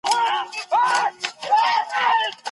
که هوا توده وي نو خلک دباندي بېدېږي.